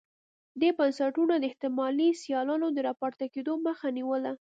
دې بنسټونو د احتمالي سیالانو د راپورته کېدو مخه نیوله.